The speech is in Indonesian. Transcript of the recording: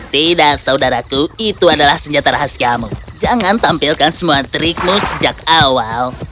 tidak saudaraku itu adalah senjata khas kamu jangan tampilkan semua trikmu sejak awal